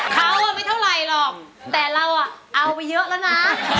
เขาไม่เท่าไหร่หรอกแต่เราเอาไปเยอะแล้วนะ